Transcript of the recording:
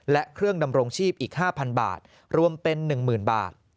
และเครื่องดำรงชีพอีก๕๐๐บาทรวมเป็น๑๐๐๐บาท